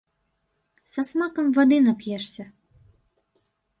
Са смакам вады нап'ешся!